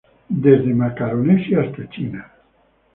De Macaronesia hasta China.